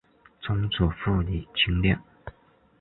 曾祖父李均亮。